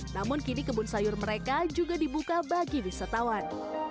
namun kini kebun sayur mereka juga dibuka bagi wisatawan